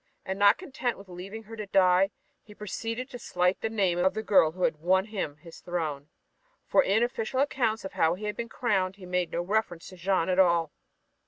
And not content with leaving her to die, he proceeded to slight the name of the girl that had won him his throne. For in official accounts of how he had been crowned he made no reference to Jeanne at all.